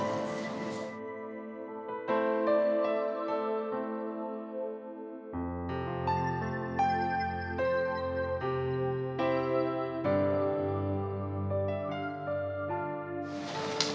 aku mau berbicara sama kamu